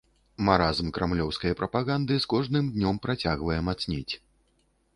Маразм крамлёўскай прапаганды з кожным днём працягвае мацнець.